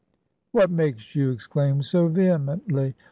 "What makes you exclaim so vehemently?"